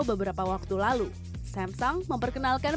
beberapa waktu lalu samsung memperkenalkan